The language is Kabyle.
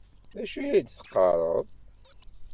D acu i ad teqqaṛeḍ?